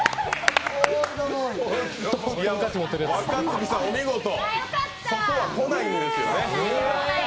若槻さん、お見事、そこは来ないんですよね。